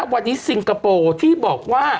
วันนี้ซิงคโปร์ที่บอกว่า